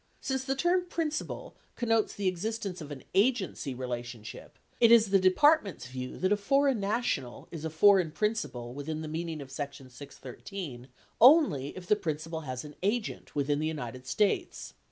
Since the term "principal" connotes the existence of an agency relationship, it is the Department's view that a foreign national is a foreign principal within the meaning of section 613 only if the principal has an agent within the United States.